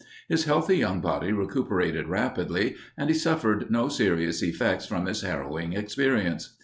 His healthy young body recuperated rapidly and he suffered no serious effects from his harrowing experience.